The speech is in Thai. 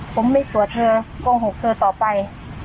ผมไม่กลัวเธอโกหกเธอต่อไป